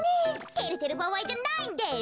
てれてるばあいじゃないんです！